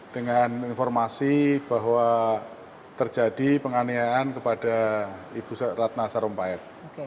dengan informasi bahwa terjadi penganiaan kepada ibu ratna sarumpayat